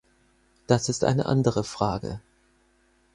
Das ist eine andere Frage.